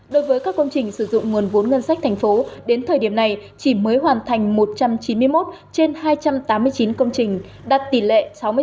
đối với các công trình sử dụng nguồn vốn ngân sách thành phố đến thời điểm này chỉ mới hoàn thành một trăm chín mươi một trên hai trăm tám mươi chín công trình đạt tỷ lệ sáu mươi sáu